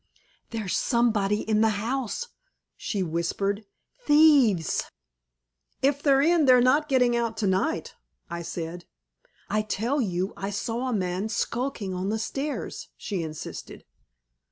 "There's somebody in the house," she whispered. "Thieves!" "If they're in they'll not get out tonight," I said. "I tell you, I saw a man skulking on the stairs," she insisted.